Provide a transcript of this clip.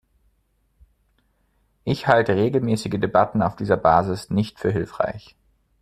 Ich halte regelmäßige Debatten auf dieser Basis nicht für hilfreich.